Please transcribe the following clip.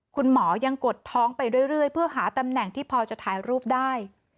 คุณหมอยังกดท้องไปเรื่อยเพื่อหาตำแหน่งที่พอจะถ่ายรูปได้